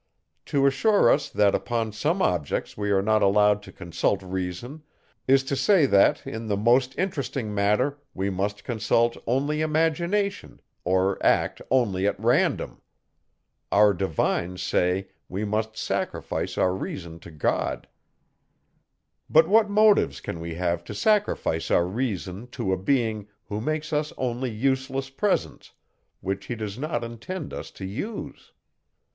To assure us, that upon some objects we are not allowed to consult reason, is to say, that, in the most interesting matter, we must consult only imagination, or act only at random. Our divines say, we must sacrifice our reason to God. But what motives can we have to sacrifice our reason to a being, who makes us only useless presents, which he does not intend us to use?